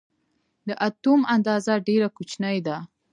د اتوم اندازه ډېره کوچنۍ ده.